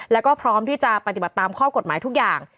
แล้วก็พร้อมที่จะปฏิบัติตามข้อกฎหมายทุกอย่าง